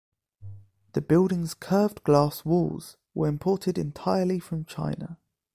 The building's curved glass walls were imported entirely from China.